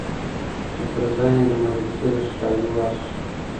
چي پر ځان یې د مرګي د ښکاري وار سو